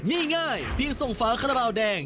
ง่ายเพียงส่งฟ้าขนาดแบบแดง